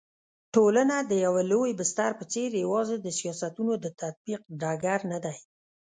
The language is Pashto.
ټولنه د يوه لوی بستر په څېر يوازي د سياستونو د تطبيق ډګر ندی